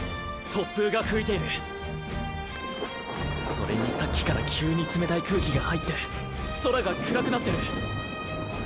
それにさっきから急につめたい空気が入って空が暗くなってる。